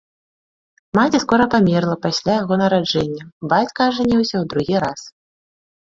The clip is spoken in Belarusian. Маці скора памерла пасля яго нараджэння, бацька ажаніўся ў другі раз.